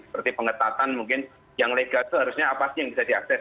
seperti pengetatan mungkin yang legal itu harusnya apa sih yang bisa diakses